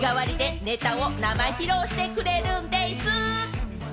日替わりでネタを生披露してくれるんでぃす！